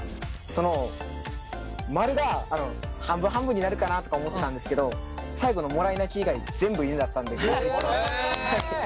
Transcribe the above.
その○が半分半分になるかなとか思ったんですけど最後の「もらい泣き」以外全部犬だったんでびっくりしてます。